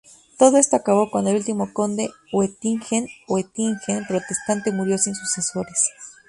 Todo esto acabó cuando el último Conde Oettingen-Oettingen Protestante murió sin sucesores.